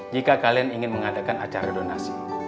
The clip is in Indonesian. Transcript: jika kalian ingin mengadakan acara donasi